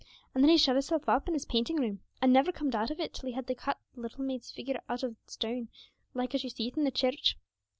And then he shut hisself up in his painting room, and never comed out of it till he had cut the little maid's figure out in stone, like as you see it in the church.